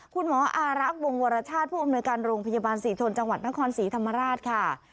คุณหมออารักษ์วงวรชาติผู้อำนวยการโรงพยาบาลศรีทนจังหวัดนครศรีธรรมราชค่ะ